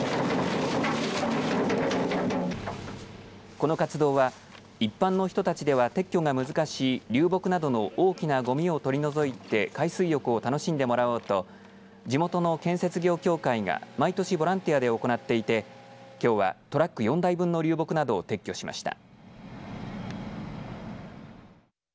この活動は一般の人たちでは撤去が難しい流木などの大きなごみを取り除いて海水浴を楽しんでもらおうと地元の建設業協会が毎年ボランティアで行っていてきょうはトラック４台分の流木などを撤去しました。